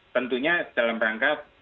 tentunya dalam rangka